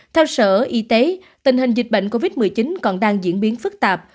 theo sở y tế tình hình dịch bệnh covid một mươi chín còn đang diễn biến phức tạp